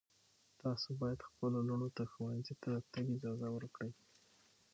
تاسو باید خپلو لوڼو ته ښوونځي ته د تګ اجازه ورکړئ.